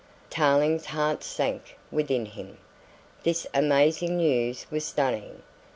Tarling's heart sank within him. This amazing news was stunning.